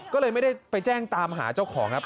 ก็เลยไม่ได้ไปแจ้งตามหาเจ้าของครับ